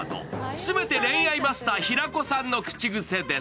全て恋愛マスター平子さんの口癖です。